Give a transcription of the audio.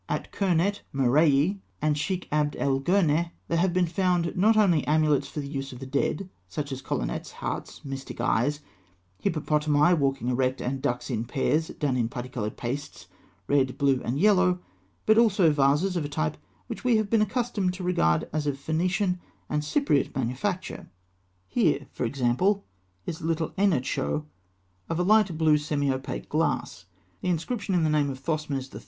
At Kûrnet Murraee and Sheikh Abd el Gûrneh, there have been found, not only amulets for the use of the dead, such as colonnettes, hearts, mystic eyes, hippopotami walking erect, and ducks in pairs, done in parti coloured pastes, blue, red, and yellow, but also vases of a type which we have been accustomed to regard as of Phoenician and Cypriote manufacture. Here, for example, is a little aenochoe, of a light blue semi opaque glass (fig. 225); the inscription in the name of Thothmes III.